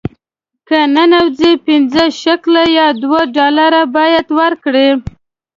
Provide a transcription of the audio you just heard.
که ننوځې پنځه شکله یا دوه ډالره باید ورکړې.